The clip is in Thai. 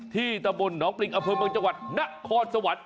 ที่ตะบนหนองปริงอเผินบางจังหวัดนครสวรรค์